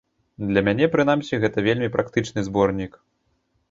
Для мяне, прынамсі, гэта вельмі практычны зборнік.